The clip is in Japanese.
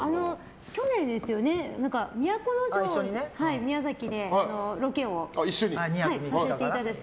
去年ですよね宮崎でロケをさせていただいて。